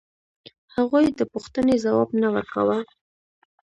هغوی د پوښتنې ځواب نه ورکاوه.